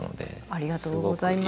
ありがとうございます。